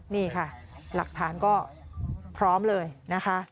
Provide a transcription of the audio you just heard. นี่ค่ะหลักฐานก็พร้อมเลยนะคะ